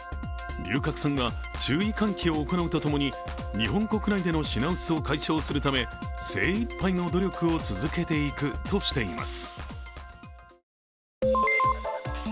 龍角散は注意喚起を行うと共に日本国内での品薄を解消するため精いっぱいの努力を続けていくとしています。